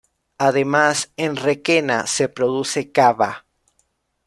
Además, en Requena se produce cava.